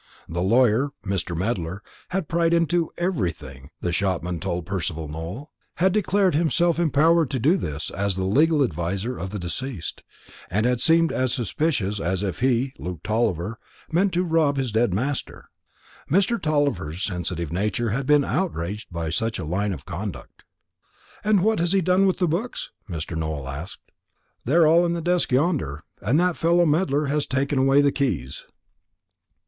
The lawyer Mr. Medler had pried into everything, the shopman told Percival Nowell; had declared himself empowered to do this, as the legal adviser of the deceased; and had seemed as suspicious as if he, Luke Tulliver, meant to rob his dead master. Mr. Tulliver's sensitive nature had been outraged by such a line of conduct. "And what has he done with the books?" Mr. Nowell asked. "They're all in the desk yonder, and that fellow Medler has taken away the keys."